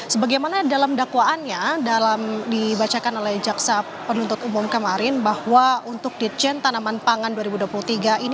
sebagaimana dalam dakwaannya dalam dibacakan oleh jaksa penuntut umum kemarin bahwa untuk ditjen tanaman pangan dua ribu dua puluh tiga ini